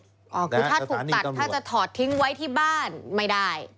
คือถ้าถูกตัดถ้าจะถอดทิ้งไว้ที่บ้านไม่ได้